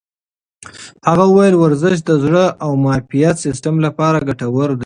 هغې وویل ورزش د زړه او معافیت سیستم لپاره ګټور دی.